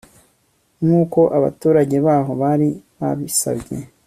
nk'uko abaturage b'aho bari babisabye